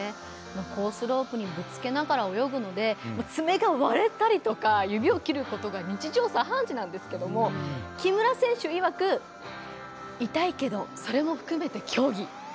コースロープにぶつけながら泳ぐので、爪が割れたりとか指を切ることが日常茶飯事なんですけど木村選手いわく痛いけど、それも含めて競技。